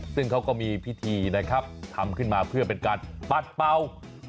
ซึ่งเขาก็มีพิธีนะครับทำขึ้นมาเพื่อเป็นการปัดเป่า